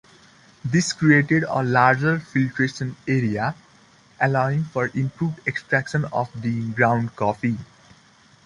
This created a larger filtration area, allowing for improved extraction of the ground coffee.